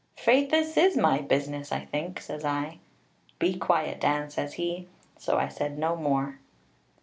'Faith, this is my business, I think,' says I. 'Be quiet, Dan,' says he: so I said no more.